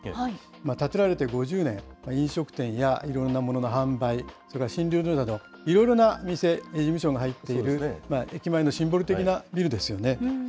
建てられて５０年、飲食店やいろんなものの販売、それから診療所など、いろいろな店、事務所が入っている駅前のシンボル的なビルですよね。